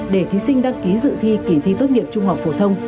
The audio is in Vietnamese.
để thí sinh đăng ký dự thi kỳ thi tốt nghiệp trung học phổ thông